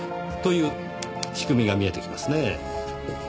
という仕組みが見えてきますね。